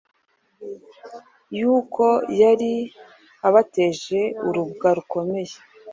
kuko yari abateje urubwa rukomeye.